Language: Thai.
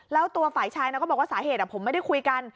แล้วตัวฝ่ายชายก็บอกว่าสาเหตุผมไม่ได้คุยกัน